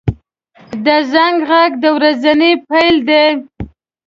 • د زنګ غږ د ورځې پیل دی.